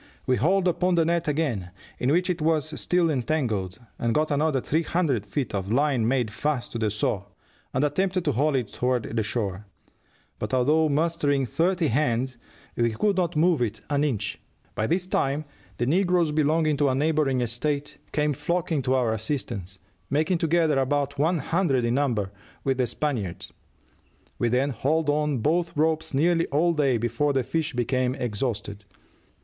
We hauled upon the net again, in which it was still entangled, and got another three hundred feet of line made fast to the saw, and attempted to haul it toward the shore; but although mustering thirty hands, we could not move it an inch. By this time the negroes belonging to a neighboring estate came flocking to our assistance, making together about one hundred in number, with the Spaniards. We then hauled on both ropes nearly all day before the fish became exhausted.